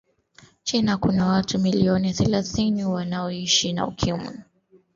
china Kuna watu milioni thalathini wanaoishi na ukimwi